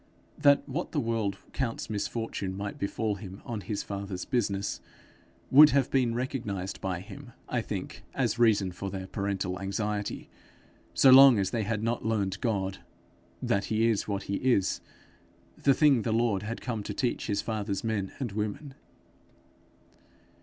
That what the world counts misfortune might befall him on his father's business, would have been recognized by him, I think, as reason for their parental anxiety so long as they had not learned God that he is what he is the thing the Lord had come to teach his father's men and women.